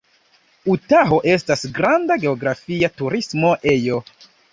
Utaho estas granda geografia turismo ejo.